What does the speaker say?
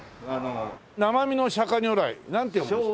「生身の釋如來」なんて読むんですか？